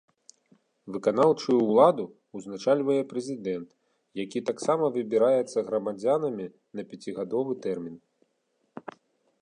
Выканаўчую ўладу ўзначальвае прэзідэнт, які таксама выбіраецца грамадзянамі на пяцігадовы тэрмін.